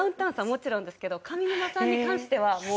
もちろんですけど上沼さんに関してはもう。